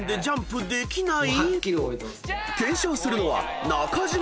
［検証するのは中島］